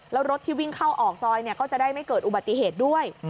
แล้วรถที่วิ่งเข้าออกซอยก็จะได้ไม่เกิดอุบัติเหตุด้วย